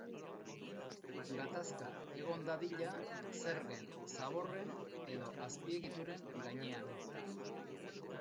Gatazka egon dadila zergen, zaborren edo azpiegituren gainean.